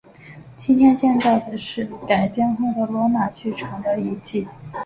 今天见到的是改建后的罗马剧场的遗迹。